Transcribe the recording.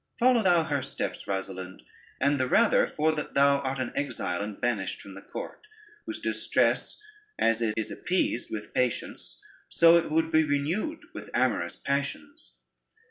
Follow thou her steps, Rosalynde, and the rather, for that thou art an exile, and banished from the court; whose distress, and it is appeased with patience, so it would be renewed with amorous passions.